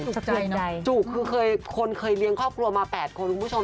จุกคือเคยคนเคยเลี้ยงครอบครัวมา๘คนคุณผู้ชม